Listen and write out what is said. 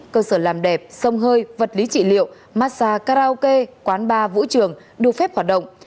cơ sở làm đẹp sông hơi vật lý trị liệu massage karaoke quán bar vũ trường được phép hoạt động